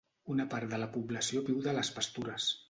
Una part de la població viu de les pastures.